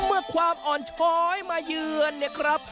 เมื่อความอ่อนช้อยมาเยือนเนี่ยครับ